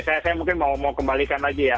saya mungkin mau kembalikan lagi ya